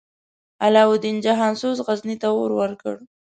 علاوالدین جهان سوز، غزني ته اور ورکړ.